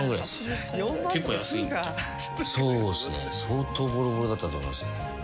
相当ボロボロだったと思います。